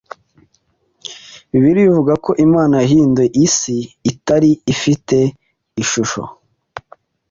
Bibiliya ivuga ko Imana yahinduye isi itari ifite ishusho,